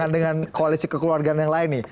dengan koalisi kekeluargaan yang lain nih